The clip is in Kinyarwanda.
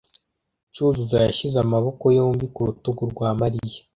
Cyuzuzo yashyize amaboko yombi ku rutugu rwa Mariya.